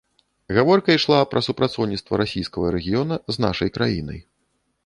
Гаворка ішла пра супрацоўніцтва расійскага рэгіёна з нашай краінай.